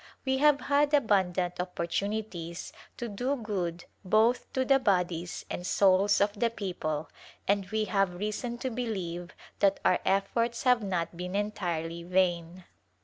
We have had abundant opportunities to do good both to the bodies and souls of the people and we have reason to believe that our efforts have not been entirely vain.